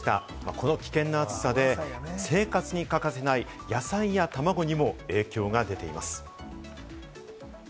この危険な暑さで、生活に欠かせない野菜やたまごにも影響が出ています。